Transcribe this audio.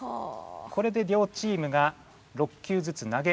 これで両チームが６球ずつ投げ終えました。